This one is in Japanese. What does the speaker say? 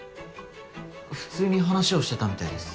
普通に話をしてたみたいです。